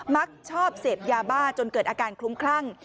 มักชอบเสพยาบ้าจนเกิดอาการคลุ้มคลั่ง